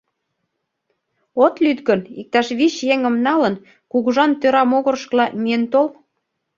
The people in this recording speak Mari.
От лӱд гын, иктаж вич еҥым налын, кугыжан тӧра могырышкыла миен тол.